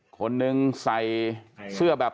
คนนึงใส่เสื้อแบบ